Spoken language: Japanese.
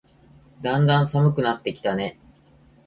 だんだん寒くなってきたね。